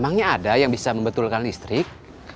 memangnya ada yang bisa membetulkan listrik